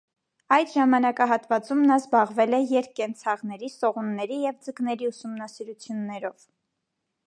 Այդ ժամանակահատվածում նա զբաղվել է երկկենցաղների, սողունների և ձկների ուսումնասիրություններով։